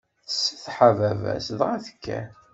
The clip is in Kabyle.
Tsetḥa baba-s, dɣa tekker.